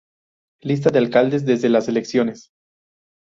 Lista de alcaldes desde las elecciones